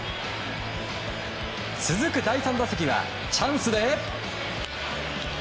続く第３打席はチャンスで。